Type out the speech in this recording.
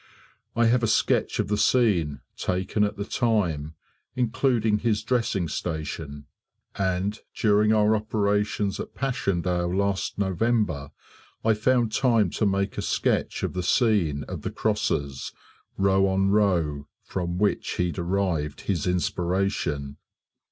I have a sketch of the scene, taken at the time, including his dressing station; and during our operations at Passchendaele last November, I found time to make a sketch of the scene of the crosses, row on row, from which he derived his inspiration."